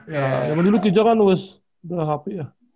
ya yang dulu kijang kan ues udah hp ya